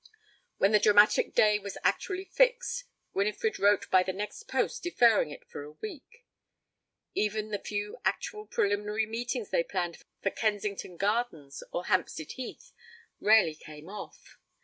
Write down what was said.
When the dramatic day was actually fixed, Winifred wrote by the next post deferring it for a week. Even the few actual preliminary meetings they planned for Kensington Gardens or Hampstead Heath rarely came off.